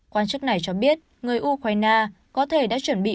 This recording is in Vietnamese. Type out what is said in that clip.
quan chức này cho biết người ukraine có thể đã chuẩn bị